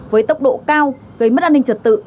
với tốc độ cao gây mất an ninh trật tự